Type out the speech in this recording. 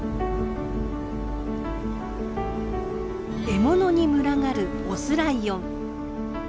獲物に群がるオスライオン。